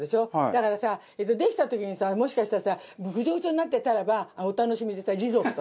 だからさできた時にさもしかしたらさグチョグチョになってたらばお楽しみでさリゾット。